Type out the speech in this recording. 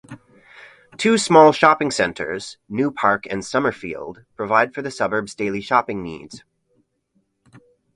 Two small shopping centres, Newpark and Summerfield, provide for the suburb's daily shopping needs.